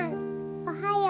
おはよう。